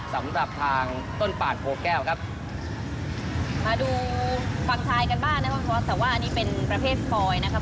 สำหรับทางต้นป่านโพแก้วครับมาดูฝั่งชายกันบ้างนะครับคุณฟอสแต่ว่าอันนี้เป็นประเภทฟอยนะครับ